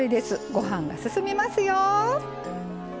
ご飯が進みますよ。